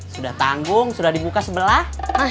sudah tanggung sudah dibuka sebelah